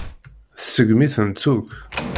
Tseggem-itent akk.